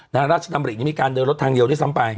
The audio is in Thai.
ด้านราชดำริยังมีการเดินรถทางเดียวได้ซ้ำไป